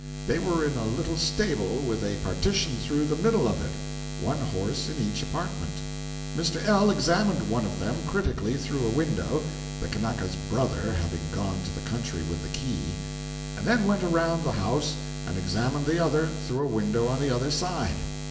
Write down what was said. They were in a little stable with a partition through the middle of it—one horse in each apartment. Mr. L. examined one of them critically through a window (the Kanaka's "brother" having gone to the country with the key), and then went around the house and examined the other through a window on the other side.